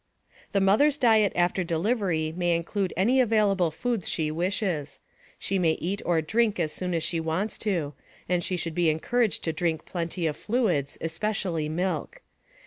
The mother's diet after delivery may include any available foods she wishes. She may eat or drink as soon as she wants to, and she should be encouraged to drink plenty of fluids, especially milk.